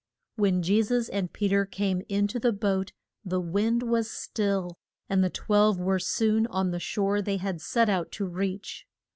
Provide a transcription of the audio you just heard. When Je sus and Pe ter came in to the boat the wind was still, and the twelve were soon on the shore they had set out to reach.